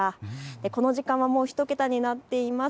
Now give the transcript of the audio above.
この時間はもう１桁になっています。